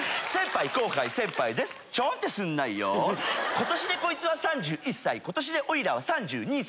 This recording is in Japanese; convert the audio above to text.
今年でこいつは３１歳今年でおいらは３２歳